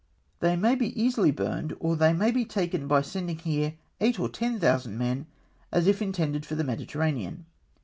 They may be easily burned, or they may be taken by sending here eight or ten thousand men, as if intended for the Mediterranean.